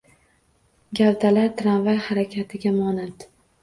Gavdalar tramvay harakatiga monand.